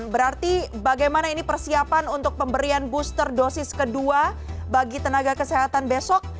berarti bagaimana ini persiapan untuk pemberian booster dosis kedua bagi tenaga kesehatan besok